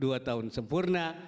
dua tahun sempurna